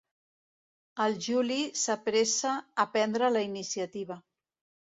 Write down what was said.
El Juli s'apressa a prendre la iniciativa.